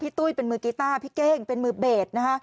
พี่ตุ้ยเป็นมือกีตาร์พี่เก้งเป็นมือเบต